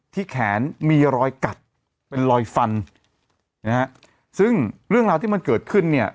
แขนมีรอยกัดเป็นรอยฟันนะฮะซึ่งเรื่องราวที่มันเกิดขึ้นเนี่ย